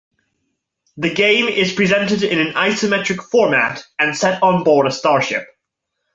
The game is presented in an isometric format and set on board a starship.